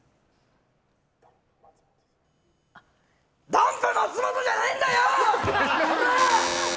ダンプ松本じゃないんだよ！